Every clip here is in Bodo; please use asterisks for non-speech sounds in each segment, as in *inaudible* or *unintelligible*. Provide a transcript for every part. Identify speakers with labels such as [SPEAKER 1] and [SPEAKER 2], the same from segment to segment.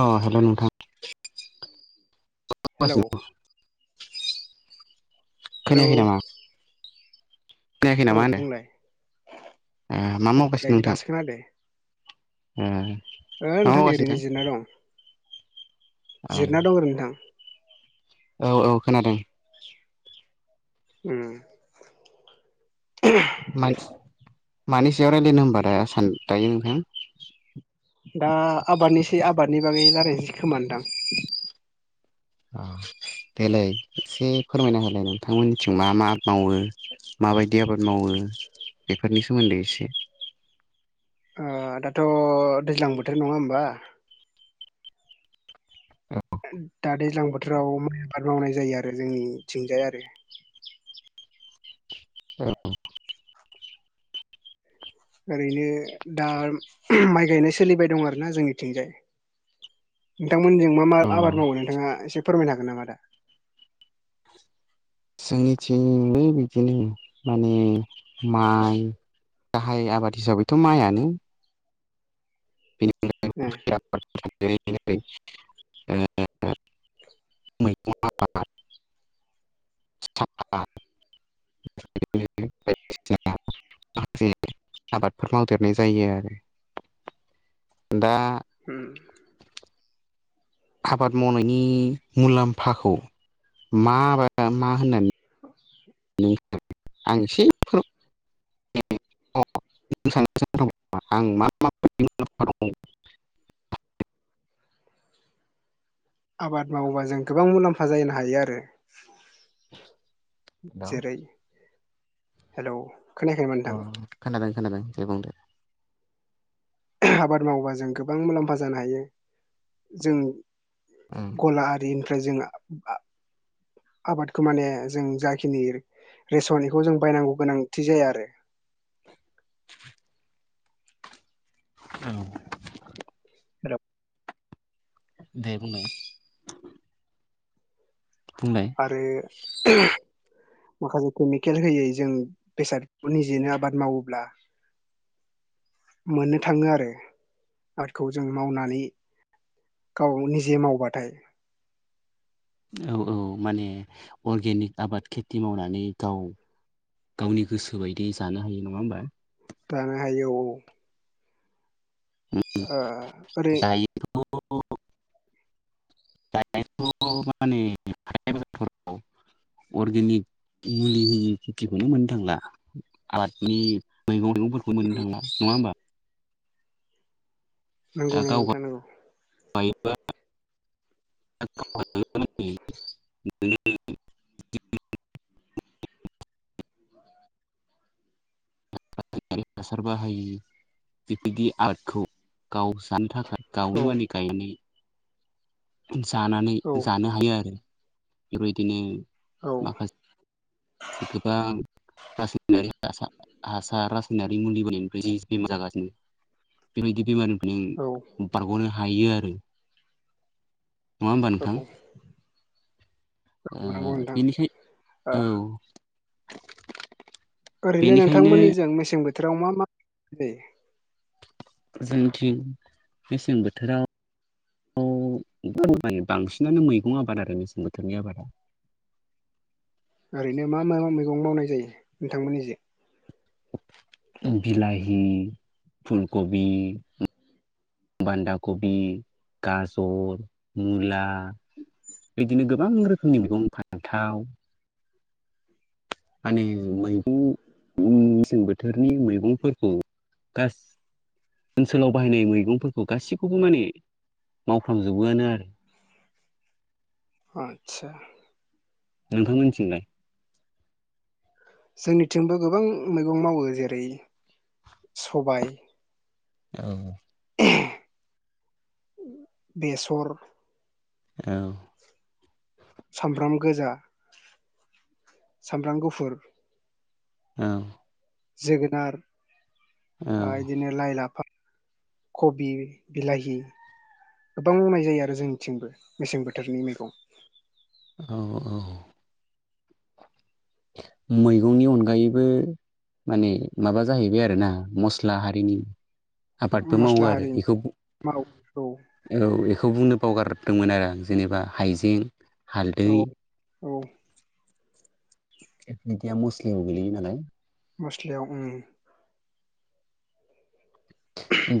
[SPEAKER 1] अ हेल' नोंथां।
[SPEAKER 2] हेल'।
[SPEAKER 1] मावगासिनो खोनायाखै नामा? खोनायाखै
[SPEAKER 2] औ
[SPEAKER 1] नामा होनो
[SPEAKER 2] बुंलाय
[SPEAKER 1] मा
[SPEAKER 2] औ
[SPEAKER 1] मावगासिनो नोंथां
[SPEAKER 2] दासो खोनादो।
[SPEAKER 1] मा
[SPEAKER 2] ओ नोंथां
[SPEAKER 1] मावगासिनो
[SPEAKER 2] ओरैनो जिरना दं।
[SPEAKER 1] नोंथां
[SPEAKER 2] जिरना दं आरो नोंथां।
[SPEAKER 1] औ औ खोनादों
[SPEAKER 2] उम।
[SPEAKER 1] मानै सयाव रायजलायनो हबा दा सान दायो नोंथां?
[SPEAKER 2] दा आबादनिसै आबादनि बागै राराय जि खोमानोदां
[SPEAKER 1] देलै एसे फोरमायना होलाय नोंथांमोननिथिं मा मा मावो माबायदि आबाद मावो बेफोरनि सोमोन्दै एसे
[SPEAKER 2] दाथ' दैज्लां बोथोर नङा होमबा दा दैज्लां बोथोराव माइ आबाद मावनाय जायो आरो जोंनिथिंजाय आरो।
[SPEAKER 1] औ।
[SPEAKER 2] ओरैनो दा माइ गायनाय सोलिबाय दं आरोना जोंनिथिंजाय
[SPEAKER 1] *inaudible*
[SPEAKER 2] नोंथांमोनजों मा मा
[SPEAKER 1] अ
[SPEAKER 2] आबाद मावगोन नोंथाङा एसे फोरमायनो हागोन नामा आ दा
[SPEAKER 1] जोंनिथिंनो बिदिनो माने माइ गाहाय आबाद हिसाबैथ' माइआनो
[SPEAKER 2] ओ
[SPEAKER 1] *unintelligible* *unintelligible* *unintelligible* माखासे आबादफोर मावदेरनाय जायो आरो दा
[SPEAKER 2] उम।
[SPEAKER 1] आबाद मावनायनि मुलाम्फाखौ माबा मा होननानै *unintelligible* *unintelligible* *inaudible*
[SPEAKER 2] आबाद मावोबा जों गोबां मुलाम्फा जानो हायो आरो।
[SPEAKER 1] हेल'
[SPEAKER 2] जेरै हेल'।
[SPEAKER 1] अ खोनाादों खाादों दे बुंदे।
[SPEAKER 2] आबाद मावोबा जों गोबां मुलाम्फा जानो हायो जों
[SPEAKER 1] औ
[SPEAKER 2] गला आरिनिफ्राय जों आबादखौ माने जों जाखिनि रेसन बेखौ जों बायनांगौ गोनांथि जाया आरो।
[SPEAKER 1] *inaudible* औ।
[SPEAKER 2] हेल'।
[SPEAKER 1] दे बुंलाय। बुंलाय
[SPEAKER 2] आरो माखासे केमिकेल होयै जों बेसाद निजेनो आबाद मावोब्ला मोननो थाङो आरो आरटखौ जों मावनानै गाव निजे मावबाथाय
[SPEAKER 1] औ औ माने अर्गेनिक आबाद खेथि मावनानै गाव गावनि गोसो बायदियै जानो हायो नङा होमबा
[SPEAKER 2] जानो हायो औ। ओ।
[SPEAKER 1] *unintelligible* *unintelligible* अर्गेनिक मुलि होयि खेथिखौनो मोननो थांला आबादनि मैगं मैगंफोरखौ मोननो थांला नङा होमबा दा
[SPEAKER 2] नंगौ नंगौ
[SPEAKER 1] गाव गाव
[SPEAKER 2] नोंथां नंगौ
[SPEAKER 1] *unintelligible* *unintelligible* *unintelligible* हासार बाहायि बेबायदि आरटखौ गाव जानो थाखाय गाव
[SPEAKER 2] औ
[SPEAKER 1] *unintelligible* जानानै
[SPEAKER 2] औ
[SPEAKER 1] जानो हायो आरो बेबायदिनो
[SPEAKER 2] औ
[SPEAKER 1] माखासे गोबां रासायनारि हासार रासायनारि मुलि बायनिफ्राय बेमार जागोन। बेबायदि बेमार
[SPEAKER 2] औ
[SPEAKER 1] हायो आरो नङा होमबा नोंथां
[SPEAKER 2] औ
[SPEAKER 1] अ
[SPEAKER 2] नंगौ नोंथां
[SPEAKER 1] बेनिखाय औ
[SPEAKER 2] ओरैनो
[SPEAKER 1] बेनिखायनो
[SPEAKER 2] नोंथांमोननिजों मेसें बोथोराव मा मा *unintelligible* जायो।
[SPEAKER 1] जोंथिं मेसें बोथोराव औ *unintelligible* बांसिनानो मैगं आबाद आरो मेसें बोथोरनि आबादा *unintelligible*
[SPEAKER 2] ओरैनो मा मा मैगं मावनाय जायो नोंथांमोननिजों
[SPEAKER 1] बिलााहि फुलकबि बान्दा कबि गाजर मुला बिदिनो गोबां रोखोमनि मैगं फान्थाव माने मैगं मेसें बोथोरनि मैगंफोरखौ *unintelligible* ओनसोलाव बाहायनाय मैगंफोरखौ गासैखौबो माने मावफ्रामजोबोआनो आरो *inaudible*
[SPEAKER 2] आतसा
[SPEAKER 1] नोंथांमोननिथिंलाय
[SPEAKER 2] जोंनिथिंबो गोबां मैगं मावो जेरै सबाय
[SPEAKER 1] औ
[SPEAKER 2] बेसर
[SPEAKER 1] औ
[SPEAKER 2] सामब्राम गोजा सामब्राम गुफुर
[SPEAKER 1] औ
[SPEAKER 2] जोगोनार आ बिदिनो लाइ लाफा कबि बिलाहि गोबां मावनाय जायो आरो जोंनिथिंबो मेसें बोथोरनि मैगं
[SPEAKER 1] औ औ मैगंनि अनगायैबो माने माबा जाहैबाय आरोना मस्ला हारिनि आबादबो मावो
[SPEAKER 2] मस्ला
[SPEAKER 1] आरो
[SPEAKER 2] हारिनि
[SPEAKER 1] बेखौ
[SPEAKER 2] माव औ
[SPEAKER 1] औ बेखौ बुंनो पावगार दंमोन आरो आं जेनेबा हाइजें हालदै
[SPEAKER 2] औ औ
[SPEAKER 1] दुदिया मसलिम गोलैयो नालाय
[SPEAKER 2] मस्लायाव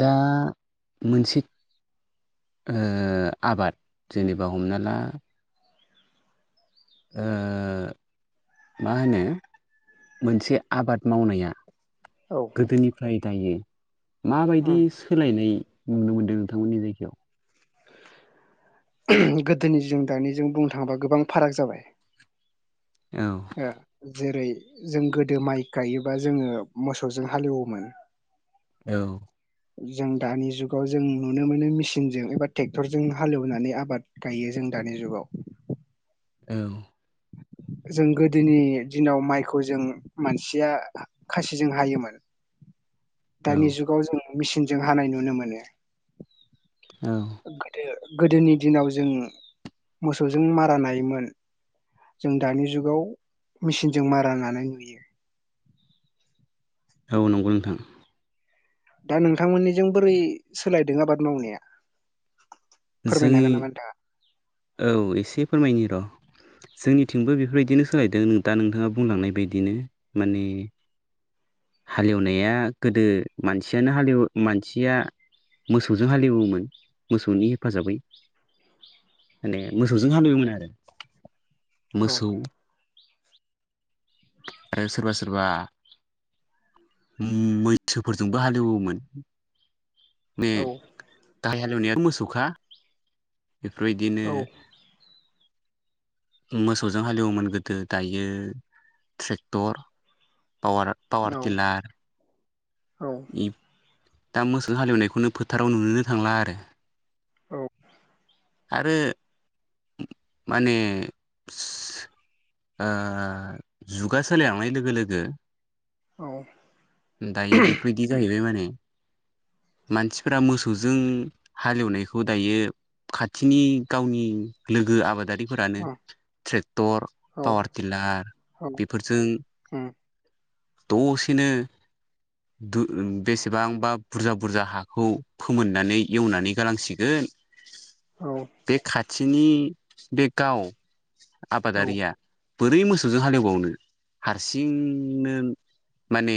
[SPEAKER 1] दा मोनसे ओ आबाद जेनेबा हमना ला ओ मा होनो मोनसे आबाद मावनाया
[SPEAKER 2] औ
[SPEAKER 1] गोदोनिफ्राय दायो माबायदि
[SPEAKER 2] उम
[SPEAKER 1] सोलायनाय नुनो मोनदों नोंथांमोननि जायगायाव
[SPEAKER 2] गोदोनि जों दानिजों बुंनो थाङोबा गोबां फाराग जाबाय
[SPEAKER 1] औ
[SPEAKER 2] ओ जेरै जों गोदो माइ गायोबा जोङो मोसौजों हालएवोमोन।
[SPEAKER 1] औ
[SPEAKER 2] जों दानि जुगाव जों नुनो मोनो मेसिनजों एबा ट्रेक्टरजों हालेवनानै आबाद गायो जों दानि जुगाव
[SPEAKER 1] औ
[SPEAKER 2] जों गोदोनि दिनाव माइखौ जों मानसिया खासिजों हायोमोन
[SPEAKER 1] औ
[SPEAKER 2] दानि जुगाव जों मेसिनजों हानाय नुनो मोनो।
[SPEAKER 1] औ
[SPEAKER 2] गोदो गोदोनि दिनाव जों मोसौजों मारा नायोमोन जों दानि जुगाव मेसिनजों मारा नानाय नुयो
[SPEAKER 1] औ नंगौ नोंथां।
[SPEAKER 2] दा नोंथांमोननिजों बोरै सोलायदों आबाद मावनाया फोरमायनो
[SPEAKER 1] जोंनि
[SPEAKER 2] हागोन नामा नोंथाङा?
[SPEAKER 1] औ एसे फोरमायनि र' जोंनिथिंबो बेफोरबायदिनो सोलायदों दा नोंथाङा बुंलांनाय बदिनो माने हालएवनाया गोदो मानसियानो हालेव मानसिया मोसौजों हालएवोमोन मोसौनि हेफाजाबै माने मोसौजों हालेवोमोन आरो
[SPEAKER 2] औ
[SPEAKER 1] मोसौ आरो सोरबा सोरबा मैसोफोरजोंबो हालेवोमोन मे
[SPEAKER 2] औ
[SPEAKER 1] गाहाय हालएवनायआथ' मोसौखा बेफोरबायदिनो
[SPEAKER 2] औ
[SPEAKER 1] मोसौजों हालएवोमोन गोदो दायो ट्रेक्टर पावार पावारटेलार
[SPEAKER 2] औ
[SPEAKER 1] दा मोसौजों हालएवनायखौनो फोथाराव नुनोनो थांला आरो
[SPEAKER 2] औ
[SPEAKER 1] आरो माने ओ जुगा सोलायलांनाय लोगो लोगो दायो बेफोरबायदि जाहैबाय माने मानसिफोरा मोसौजों हालएवनायखौ दायो खाथिनि गावनि लोगो आबादारि फोरानो ट्रेक्टर
[SPEAKER 2] औ
[SPEAKER 1] पावार टिलार बेफोरजों दसेनो दु बेसेबांबा बुरजा बुरजा हाखौ फोमोननानै एवनानै गालांसिगोन
[SPEAKER 2] औ
[SPEAKER 1] बे खाथिनि बे गाव
[SPEAKER 2] औ
[SPEAKER 1] आबादारिया बोरै मोसौजों हालेवबावनो हारसिंनो माने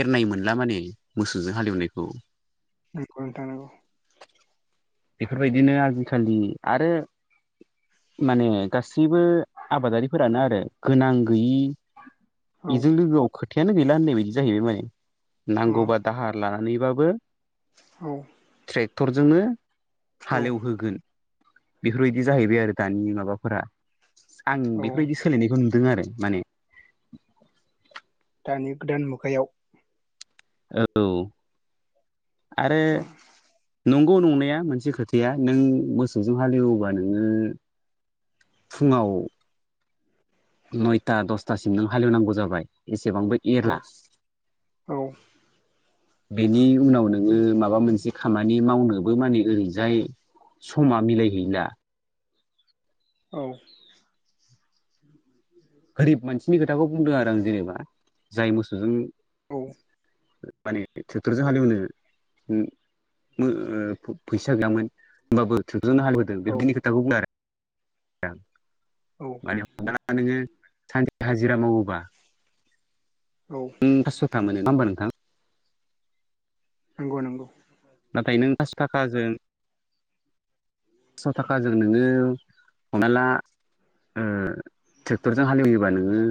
[SPEAKER 1] एरनाय मोनला माने मोसौजों हालएवनायखौ
[SPEAKER 2] नंगौ नोंथां नंगौ
[SPEAKER 1] बेफोरबायदिनो आजिखालि आरो माने गासैबो आबादारिफोरानो आरो गोनां गैयि
[SPEAKER 2] औ
[SPEAKER 1] बेजों लोगोआव खोथायानो गैला होननाय बायदि जाहैबाय माने
[SPEAKER 2] अ
[SPEAKER 1] नांगौबा दाहार ला नैबाबो
[SPEAKER 2] औ
[SPEAKER 1] ट्रेक्टरजोंनो
[SPEAKER 2] औ
[SPEAKER 1] हालएवहोगोन बेफोरबायदि जाहैबाय आरो दानि माबाफोरा आं
[SPEAKER 2] औ
[SPEAKER 1] बेफोरबायदि सोलायनायखौ नु दों आरो माने
[SPEAKER 2] दानि गोदान मुगायाव
[SPEAKER 1] औ आरो नंगौ नंनाया मोनसे खोथा गैया नों मोसौजों हालेवोबा नोङो फुङाव नयथा दसथासिम नों हालेवनांगौ जाबाय एबांबो
[SPEAKER 2] औ
[SPEAKER 1] एरला
[SPEAKER 2] औ
[SPEAKER 1] बेनि उनाव नोङो माबा मोनसे खामानि मावनोबो माने ओरैजाय समा मिलायहैला
[SPEAKER 2] औ।
[SPEAKER 1] गोरिब मानसिनि खोथाखौ बुंदों आरो आं जेनेबा जाय मोसौजों
[SPEAKER 2] औ।
[SPEAKER 1] माने ट्रेक्टरजों हालेवनो मो फैसा गैयामोन होमबाबो थ्रो जोंनो हालेबोदों
[SPEAKER 2] औ
[SPEAKER 1] बिबदिनि खोथाखौ बुंला आरो आ
[SPEAKER 2] औ
[SPEAKER 1] माने हमा नोङो सानसे हाजिरा मावोबा
[SPEAKER 2] औ
[SPEAKER 1] ओ पासस'था मोनो नङा होनबा नोंथां?
[SPEAKER 2] नंगौ नंगौ।
[SPEAKER 1] नाथाय नों फास थाखाजों थिस' थाखाजों नोङो हमना ला ओ ट्रेक्टरजों हालेवयोबा नोङो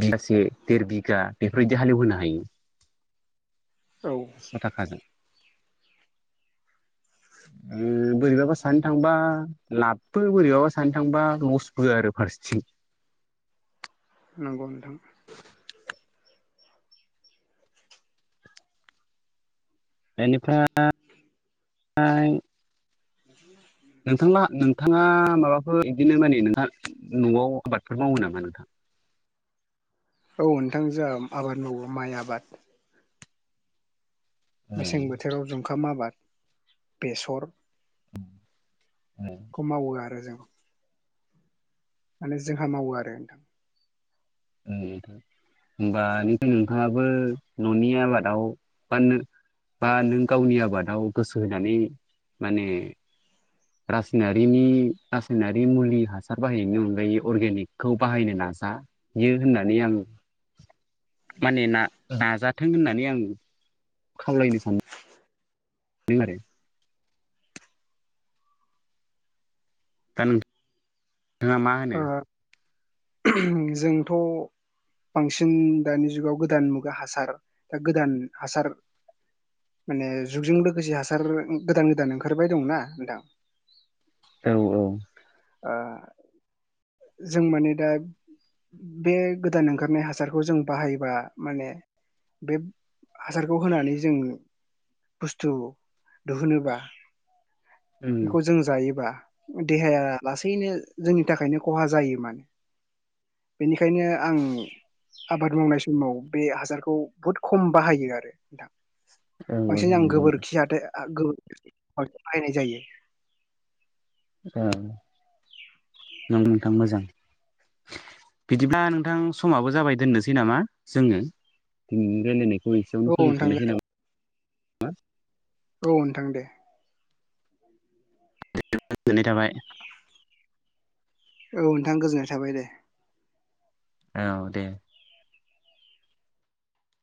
[SPEAKER 1] बिगासे देर बिगा बेफोरबायदि हालेवहोनो हायो
[SPEAKER 2] औ
[SPEAKER 1] फासस' थाखाजों ओ बोरैबाबा सानै थांबा लाबबो बोरैबाबा सानो थांबा लसबो आरो फारसेथि *unintelligible*
[SPEAKER 2] नंगौ नोंथां
[SPEAKER 1] बेनिफ्राय
[SPEAKER 2] *unintelligible*
[SPEAKER 1] नोंथां नोंथाङा माबाफोर बिदिनो माने नोंहा न'आव आबादफोर मावो नामा नोंथां? *unintelligible*
[SPEAKER 2] औ नोंथां जोया आबाद मावो माइ आबाद
[SPEAKER 1] ओ
[SPEAKER 2] मेसें बोथोराव जुंखाम आबाद बेसर
[SPEAKER 1] ओ
[SPEAKER 2] खौ मावो आरो जों माने जोंहा मावो आरो नोंथां।
[SPEAKER 1] ओं नोंथां। होमबा नोङो नोंथाङाबो न'नि आबादाव फाननो बा नों गावनि आबादाव गोसो होनानै माने रासायनारिनि रासायनारि मुलि हासार बाहायनायनि अनगायै अर्गेनिकखौ बाहायनो नाज जायो होननानै आं माने ना नाजाथों होननानै आं खावलायनो सानो नै मारो। दा नोंया मा होनो?
[SPEAKER 2] ओ जोंथ' बांसिन दानि जुगाव गोदान मुगा हासार दा गोदान हासार माने जुगजों लोगोसे हासार गोदान गोदान ओंखारबाय दंना नोंथां।
[SPEAKER 1] औ औ।
[SPEAKER 2] आ जों माने दा बे गोदान ओंखारनाय हासारखौ जों बाहायोबा माने बेब हासारखौ होनानै जोङो बुस्थु दुहुनोबा
[SPEAKER 1] उम
[SPEAKER 2] बेखौ जों जायोबा देहाया लासैनो जोंनि थाखायनो खहा जायो मानो बेनिखायनो आं आबाद मावनाय समाव बे हासारखौ बहुद खम बाहायो आरो नोंथां।
[SPEAKER 1] औ औ
[SPEAKER 2] बांसिन आं
[SPEAKER 1] नंगौ नंगौ
[SPEAKER 2] गोबोरखियाथो गोबो बाहायनाय जायो।
[SPEAKER 1] औ नों नोंथां मोजां बिदिब्ला नोंथां समाबो जाबाय दोननोसै नामा जोङो रायनायखौ एसेयावनो
[SPEAKER 2] औ नोंथां
[SPEAKER 1] फोजोबथ'नोसै नामा
[SPEAKER 2] औ नोंथां दे।
[SPEAKER 1] गोजोननाय थाबाय।
[SPEAKER 2] औ नोंथां गोजोननाय थाबाय दे।
[SPEAKER 1] औ दे।